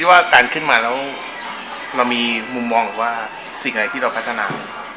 ว่าการขึ้นมาแล้วเรามีมุมมองหรือว่าสิ่งอะไรที่เราพัฒนา